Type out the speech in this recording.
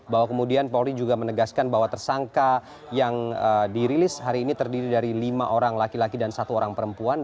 bahwa kemudian polri juga menegaskan bahwa tersangka yang dirilis hari ini terdiri dari lima orang laki laki dan satu orang perempuan